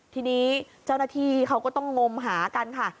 ทีนี้เจ้าหน้าที่เขาก็ต้องงมหากันค่ะ